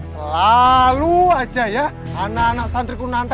sama santri gunanta